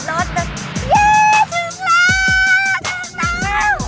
เย้ถึงแล้วถึงแล้ว